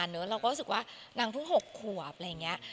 รู้สึกว่านางเพิ่งหกครั้ง